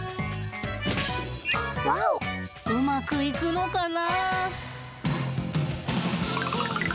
うまくいくのかな？